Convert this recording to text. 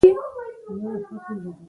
انګلیسي د منطق ژبه ده